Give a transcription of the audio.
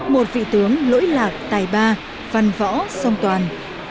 một vị tướng lỗi lạc tài ba văn võ sông toàn